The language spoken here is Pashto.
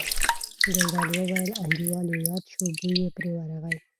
ګلداد وویل: انډیوال یې یاد شو، بوی یې پرې ورغی.